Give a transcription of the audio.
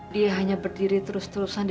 sampai jumpa di video selanjutnya